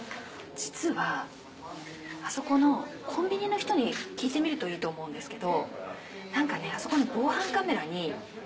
実はあそこのコンビニの人に聞いてみるといいと思うんですけど。